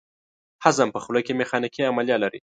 هضم په خوله کې میخانیکي عملیه لري.